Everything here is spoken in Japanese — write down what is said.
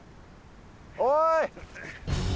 おい！